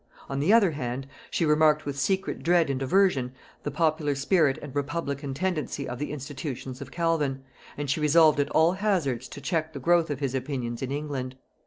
On the other hand, she remarked with secret dread and aversion the popular spirit and republican tendency of the institutions of Calvin, and she resolved at all hazards to check the growth of his opinions in England.